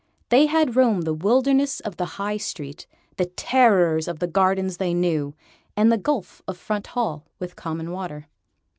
They had roamed the Wilderness of the High Street, the terrors of the Gardens they knew, and the Gulf of Front Hall was common water.